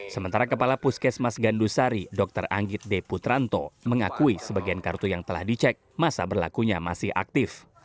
sementara kepala puskesmas gandusari dr anggit d putranto mengakui sebagian kartu yang telah dicek masa berlakunya masih aktif